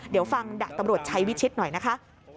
เดี๋ยวฟังดาบตำรวจชัยวิชิตหน่อยนะคะ